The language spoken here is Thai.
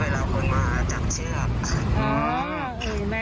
เวลาคนมาจับเชือก